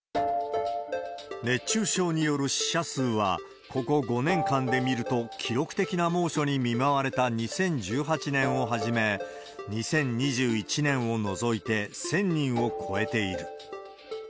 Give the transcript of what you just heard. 熱中症による死者数は、ここ５年間で見ると記録的な猛暑に見舞われた２０１８年をはじめ、２０２１年を除いて１０００人を超えている。